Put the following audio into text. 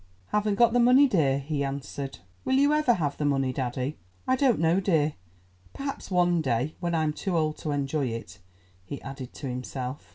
"Haven't got the money, dear," he answered. "Will you ever have the money, daddy?" "I don't know, dear, perhaps one day—when I am too old to enjoy it," he added to himself.